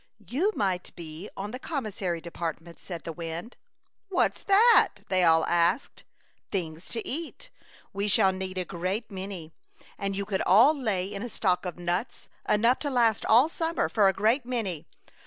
'' You might be on the commis sary department," said the wind. "What's that?" they all asked. " Things to eat. We shall need a great many, and you could all lay in a stock of nuts, enough to last all summer, for a great many."